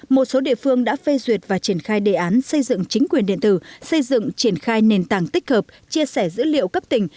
một số địa phương đã phê duyệt và triển khai đề án xây dựng chính quyền điện tử xây dựng triển khai nền tảng tích hợp chia sẻ dữ liệu cấp tỉnh